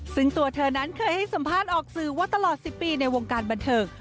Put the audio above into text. ซึ่งตัวเธอนั้นเคยให้สัมภาษณ์ออกสื่อว่าตลอด๑๐ปีในวงการบันเทิง